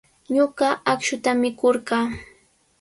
Ñuqa akshuta mikurqaa.